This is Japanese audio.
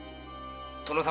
殿様。